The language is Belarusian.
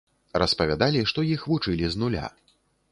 Распавядалі, што іх вучылі з нуля.